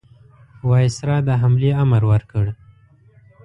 وایسرا د حملې امر ورکړ.